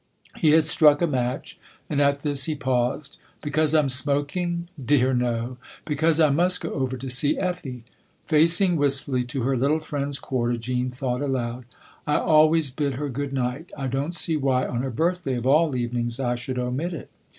He had struck a match, and at this he paused. " Because I'm smoking ?"" Dear, no. Because I must go over to see Effie." Facing wistfully to her little friend's quarter, Jean thought aloud. " I always bid her ' Good night/ I don't see why on her birthday, of all evenings I should omit it."